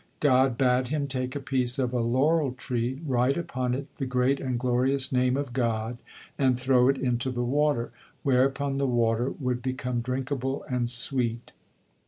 God bade him take a piece of a laurel tree, write upon it the great and glorious name of God, and throw it into the water, whereupon the water would become drinkable and sweet.